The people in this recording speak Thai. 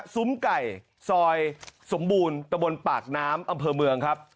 ซุ้มไก่ซอยสมบูรณ์ตะบนปากน้ำอำเภอเมืองครับ